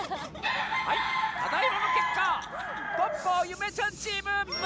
はいただいまのけっかポッポゆめちゃんチーム６つせいかい！